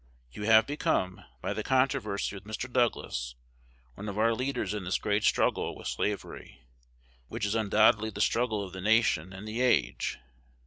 You have become, by the controversy with Mr. Douglas, one of our leaders in this great struggle with slavery, which is undoubtedly the struggle of the nation and the age.